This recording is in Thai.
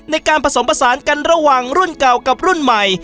ในการผสมผสานกันระหว่างรุ่นเก่ากับรุ่นใหม่